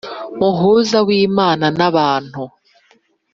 muhuza w Imana n abantu